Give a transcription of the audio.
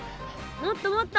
もっともっと。